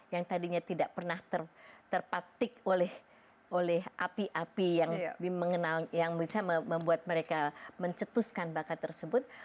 yang tadinya tidak pernah terpatik oleh api api yang bisa membuat mereka mencetuskan bakat tersebut